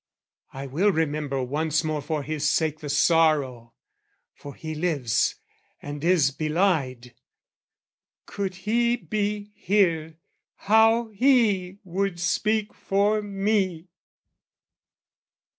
I will remember once more for his sake The sorrow: for he lives and is belied. Could he be here, how he would speak for me!